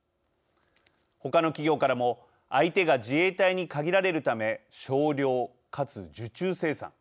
他の企業からも相手が自衛隊に限られるため少量・かつ受注生産。